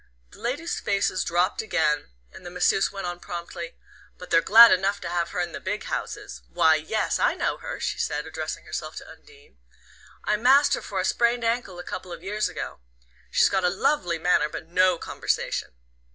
The ladies' faces drooped again, and the masseuse went on promptly: "But they're glad enough to have her in the big houses! Why, yes, I know her," she said, addressing herself to Undine. "I mass'd her for a sprained ankle a couple of years ago. She's got a lovely manner, but NO conversation.